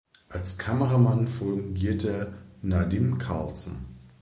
Als Kameramann fungierte Nadim Carlsen.